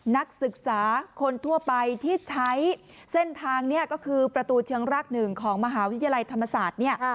นักศึกษาคนทั่วไปที่ใช้เส้นทางนี้ก็คือประตูเชียงรักหนึ่งของมหาวิทยาลัยธรรมศาสตร์เนี่ย